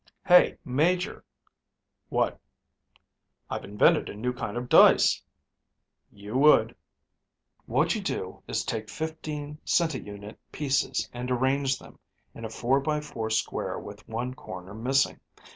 "Hey, Major." "What?" "I've invented a new kind of dice." "You would." "What you do is take fifteen centiunit pieces and arrange them in a four by four square with one corner missing.